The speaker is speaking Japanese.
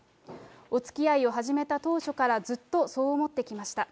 おつきあいを始めた当初から、ずっとそう思ってきました。